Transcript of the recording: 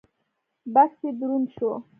بکس يې دروند شو.